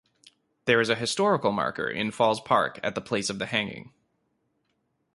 There is a historical marker in Falls Park at the place of the hanging.